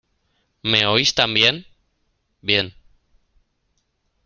¿ Me oís también? Bien.